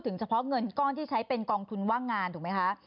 เฉพาะเงินก้อนที่ใช้เป็นกองทุนว่างงานถูกไหมคะ